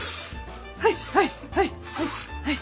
はいはいはいはいはい！